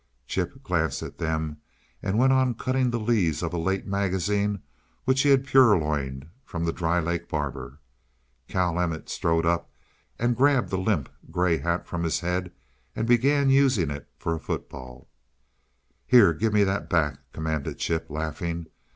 Chip glanced at them and went on cutting the leaves of a late magazine which he had purloined from the Dry Lake barber. Cal Emmett strode up and grabbed the limp, gray hat from his head and began using it for a football. "Here! Give that back!" commanded Chip, laughing.